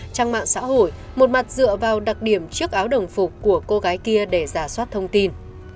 trang mạng xã hội một mặt dựa vào đặc điểm chiếc áo đồng phục của cô gái kia để giả soát thông tin